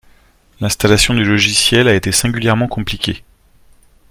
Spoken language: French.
L'installation du logiciel a été singulièrement compliquée